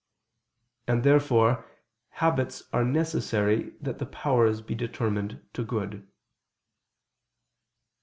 And, therefore, habits are necessary that the powers be determined to good.